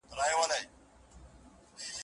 لا د نمرودي زمانې لمبې د اور پاته دي